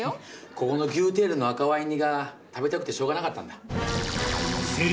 ここの牛テールの赤ワイン煮が食べたくてしょうがなかったんだ。